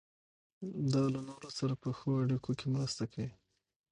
دا له نورو سره په ښو اړیکو کې مرسته کوي.